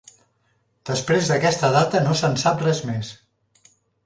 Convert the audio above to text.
Després d'aquesta data no se'n sap res més.